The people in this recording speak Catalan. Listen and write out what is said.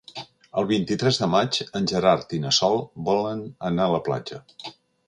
El vint-i-tres de maig en Gerard i na Sol volen anar a la platja.